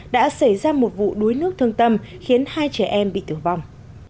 đã xảy ra một vụ đuối nước thương tâm khiến hai trẻ em bị tử vong